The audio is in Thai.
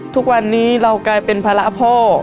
ทุกวันนี้เรากลายเป็นภาระพ่อ